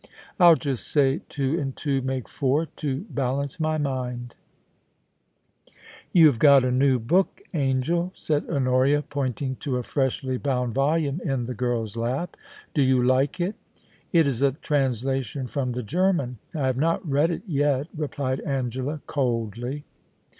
I'll just say two and two make four to balance my mind' * You have got a new book, Angel,' said Honoria, pointing to a freshly bound volume in the girl's lap. * Do you like it ?It is a translation from the German. I have not read it yet,' replied Angela, coldly.